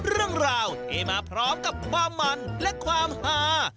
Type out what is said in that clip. เรื่องราวที่มาพร้อมกับความมันและความหา